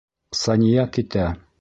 Сания китә.